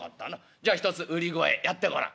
じゃあひとつ売り声やってごらん」。